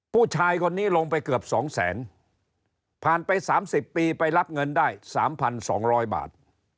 ผู้ชายคนนี้ลงไปเกือบสองแสนผ่านไปสามสิบปีไปรับเงินได้สามพันสองร้อยบาท